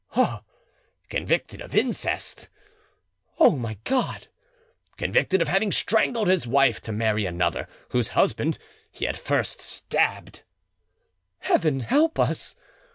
"Ah!" "Convicted of incest." "O my God!" "Convicted of having strangled his wife to marry another, whose husband he had first stabbed." "Heaven help us!"